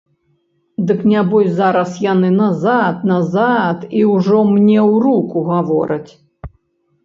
Дык нябось зараз яны назад, назад і ўжо мне ў руку гавораць.